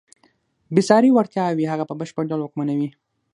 بېساري وړتیاوې هغه په بشپړ ډول واکمنوي.